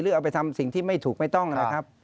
เอาไปทำสิ่งที่ไม่ถูกไม่ต้องนะครับ